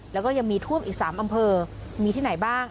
แล้วก็ยังมีท่วมอีก๓อำเภอมีที่ไหนบ้าง